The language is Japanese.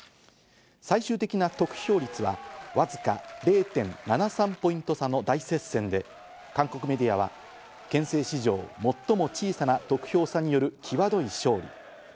最終的な得票率はわずか０．７３ポイント差の大接戦で韓国メディアは憲政史上最も小さな得票差による際どい勝利。